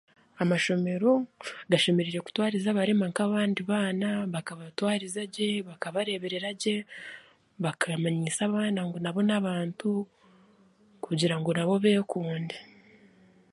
Amashomero gashemereire kutwariza abarema nk'abandi abaana bakabatwariza gye, bakabareeberera gye, bakamanyisa abaana ngu nabo n'abantu kugira ngu nabo beekunde